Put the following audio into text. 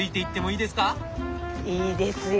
いいですよ。